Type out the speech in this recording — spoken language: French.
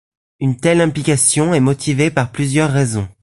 Une telle implication est motivée par plusieurs raisons.